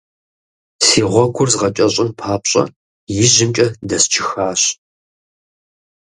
Си гъуэгур згъэкӏэщӏын папщӏэ, ижьымкӏэ дэсчыхащ.